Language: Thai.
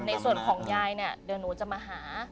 ในส่วนของยายเนี่ยเดี๋ยวหนูจะมาหา